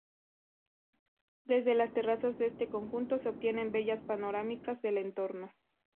Desde las terrazas de este conjunto se obtienen bellas panorámicas del entorno.